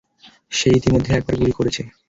সে ইতিমধ্যে একবার গুলি করেছে।